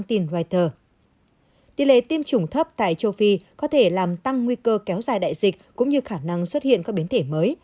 tỷ lệ tiêm chủng thấp tại châu phi có thể làm tăng nguy cơ kéo dài đại dịch cũng như khả năng xuất hiện các biến thể mới